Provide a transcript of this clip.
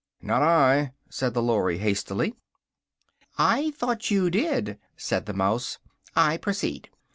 "Not I!" said the Lory hastily. "I thought you did," said the mouse, "I proceed.